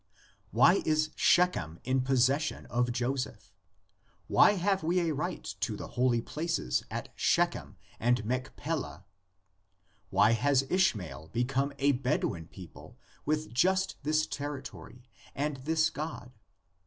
Why is Shechem in pos session of Joseph? Why have we a right to the holy places at Shechem and Machpelah? Why has Ishmael become a Bedouin people with just this ter ritory and this God?